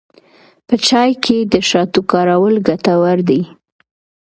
په چای کې د شاتو کارول ګټور دي.